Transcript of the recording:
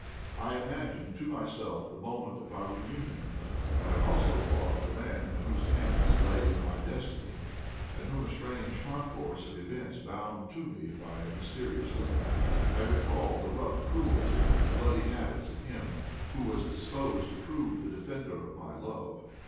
I imagined to myself the moment of our reunion, but I also thought of the man in whose hands lay my destiny, and whom a strange concourse of events bound to me by a mysterious link. I recalled the rough cruelty and bloody habits of him who was disposed to prove the defender of my love.